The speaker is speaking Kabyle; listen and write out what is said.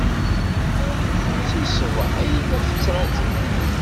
Seg ṣṣbaḥ ay la tt-ttṛajuɣ.